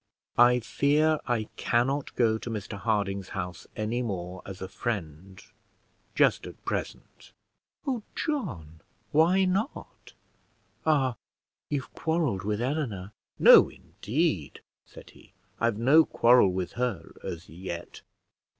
"I fear I cannot go to Mr Harding's house any more as a friend, just at present." "Oh, John! Why not? Ah, you've quarrelled with Eleanor!" "No, indeed," said he; "I've no quarrel with her as yet."